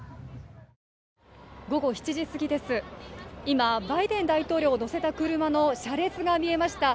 午後７時すぎです、今、バイデン大統領を乗せた車の車列が見えました。